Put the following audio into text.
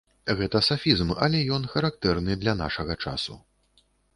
Гэта сафізм, але ён характэрны для нашага часу.